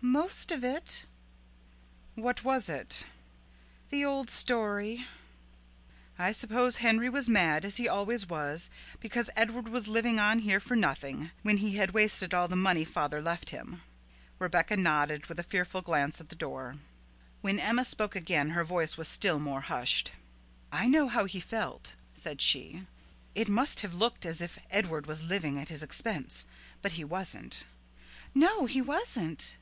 "Most of it." "What was it?" "The old story." "I suppose Henry was mad, as he always was, because Edward was living on here for nothing, when he had wasted all the money father left him." Rebecca nodded, with a fearful glance at the door. When Emma spoke again her voice was still more hushed. "I know how he felt," said she. "It must have looked to him as if Edward was living at his expense, but he wasn't." "No, he wasn't."